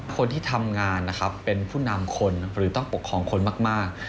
คนที่ทำงานนะครับเป็นผู้นำคนหรือต้องปกครองคนมาก